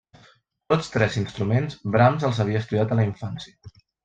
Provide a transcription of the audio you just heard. Tots tres instruments, Brahms els havia estudiat a la infància.